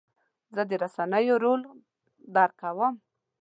زه د رسنیو رول درک کوم.